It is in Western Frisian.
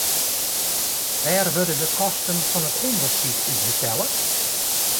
Wêr wurde de kosten fan it ûndersyk út betelle?